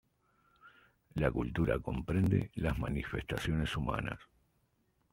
La cultura comprende las manifestaciones humanas.